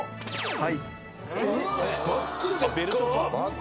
はい。